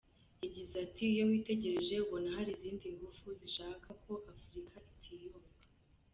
Yagize ati “Iyo witegereje ubona hari izindi ngufu zishaka ko Afurika itiyunga.